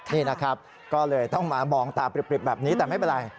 นี่นะครับก็เลยต้องมามองตาปริบแบบนี้แต่ไม่เป็นไร